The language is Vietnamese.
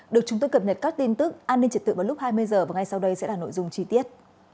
được chúng tôi cập nhật các tin tức an ninh trật tự vào lúc hai mươi h và ngay sau đây sẽ là nội dung chi tiết